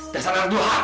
dasar narasih hak kamu